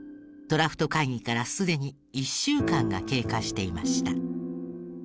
ドラフト会議からすでに１週間が経過していました。